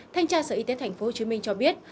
thanh tra sở y tế tp hcm cho biết